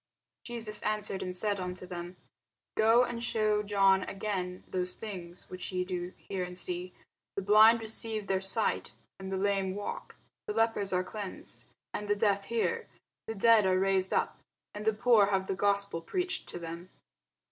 Jesus answered and said unto them, Go and shew John again those things which ye do hear and see: the blind receive their sight, and the lame walk, the lepers are cleansed, and the deaf hear, the dead are raised up, and the poor have the gospel preached to them.